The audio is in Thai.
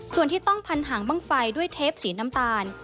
ส่วนที่ต้องพันหางบ้างไฟด้วยเทปสีน้ำตาล